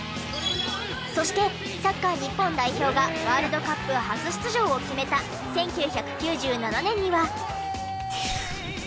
そしてサッカー日本代表がワールドカップ初出場を決めた１９９７年には。